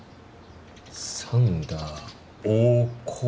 サンダー大河内。